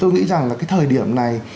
tôi nghĩ rằng là cái thời điểm này